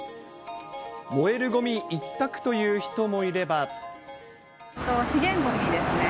燃えるごみ一択という人もい資源ごみですね。